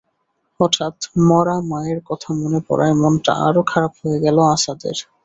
হঠাৎ মরা মায়ের কথা মনে পড়ায় মনটা আরো খারাপ হয়ে গেলো আসাদের।